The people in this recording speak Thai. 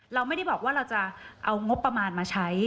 เราไม่ได้บอกว่าเราจะเอางบประมาณมาใช้